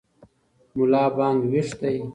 ملا بانګ ویښ دی.